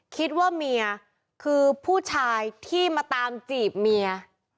คิดว่าเมียคือผู้ชายที่มาตามจีบเมีย